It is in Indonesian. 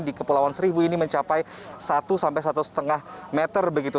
di kepulauan seribu ini mencapai satu sampai satu lima meter begitu